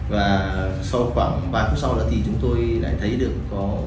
và sau khoảng ba phút sau đó thì chúng tôi lại thấy được có